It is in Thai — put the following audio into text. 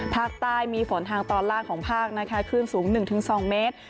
ภาคใต้มีฝนทางตอนล่างของภาคนะคะคลื่นสูง๑๒เมตร